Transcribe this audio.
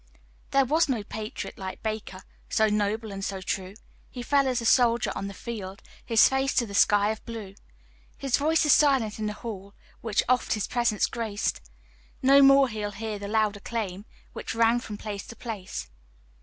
THERE was no patriot like Baker, So noble and so true; He fell as a soldier on the field, His face to the sky of blue. His voice is silent in the hall Which oft his presence graced; No more he'll hear the loud acclaim Which rang from place to place.